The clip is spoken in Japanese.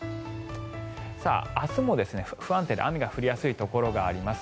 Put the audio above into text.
明日も不安定で雨が降りやすいところがあります。